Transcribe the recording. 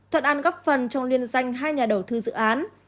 thuận an góp phần trong liên danh hai nhà đầu tư dự án